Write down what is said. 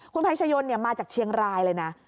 คุณภัยชะยนมาจากเชียงรายเลยนะ